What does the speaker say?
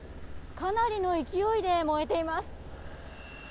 かなりの勢いで燃えています。